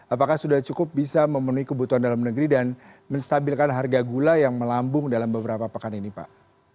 apakah sudah cukup bisa memenuhi kebutuhan dalam negeri dan menstabilkan harga gula yang melambung dalam beberapa pekan ini pak